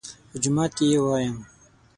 _په جومات کې يې وايم.